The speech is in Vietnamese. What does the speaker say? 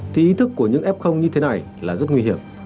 thì ý thức của những f như thế này là rất nguy hiểm